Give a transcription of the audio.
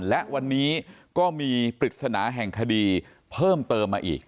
และวันนี้ก็มีปริศนาแห่งคดีเพิ่มเติมมาอีก